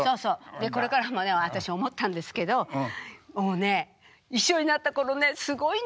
でこれからもね私思ったんですけどもうね一緒になった頃ねすごいんですよいびきが。